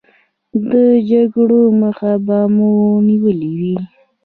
د جګړو مخه به مو نیولې وي.